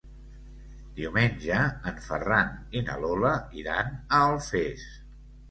Diumenge en Ferran i na Lola iran a Alfés.